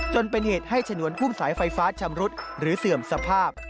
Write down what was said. จนเป็นเหตุให้ฉนวนพุ่มสายไฟฟ้าชำรุดหรือเสื่อมสภาพ